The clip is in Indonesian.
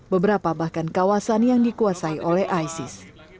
beberapa bahkan kawasan yang dikuasai oleh isis